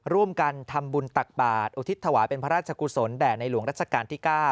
ร่วมกันทำบุญตักบาทอุทิศถวายเป็นพระราชกุศลแด่ในหลวงรัชกาลที่๙